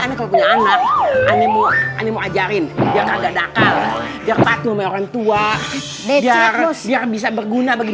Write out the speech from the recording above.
anak anak ini mau ajarin dia kagak ada akal dia patuh orang tua biar bisa berguna bagi